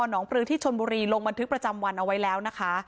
หนองปลือที่ชนบุรีลงบันทึกประจำวันเอาไว้แล้วนะคะ